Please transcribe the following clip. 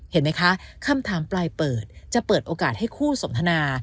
เห็นไหมคะคำถามปลายเปิดจะเปิดโอกาสให้คู่สนทนา